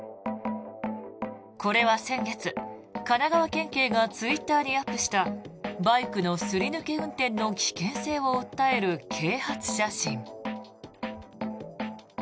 これは先月、神奈川県警がツイッターにアップしたバイクのすり抜け運転の危険性を訴える啓発写真。